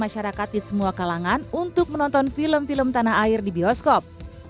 dan masyarakat di semua kalangan untuk menonton film film tanah air di bioskop